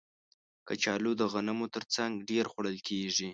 کچالو د غنمو تر څنګ ډېر خوړل کېږي